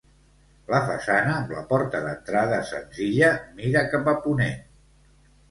La façana amb la porta d'entrada senzilla mira cap a ponent.